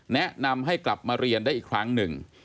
แนะนำให้กลับมาเรียนได้อีกครั้งหนึ่ง